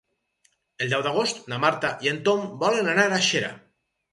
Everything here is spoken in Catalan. El deu d'agost na Marta i en Tom volen anar a Xera.